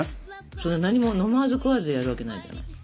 それ何も飲まず食わずでやるわけないじゃない。